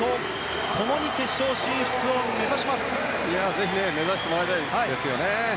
ぜひ目指してもらいたいですね。